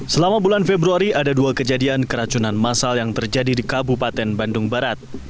selama bulan februari ada dua kejadian keracunan masal yang terjadi di kabupaten bandung barat